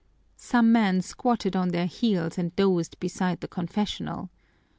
Some men squatted on their heels and dozed beside the confessional.